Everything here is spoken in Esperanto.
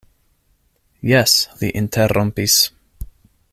Jes, li interrompis.